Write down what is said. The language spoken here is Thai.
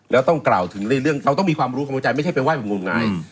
แล้วต้องกล่าวถึงในเรื่องเราต้องมีความรู้ความเข้าใจไม่ใช่ไปไห้แบบงมงาย